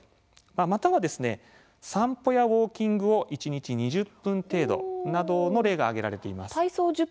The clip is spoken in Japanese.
または散歩やウォーキングを一日２０分程度などの例が挙げられています。